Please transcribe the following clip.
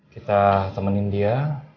kita temenin dia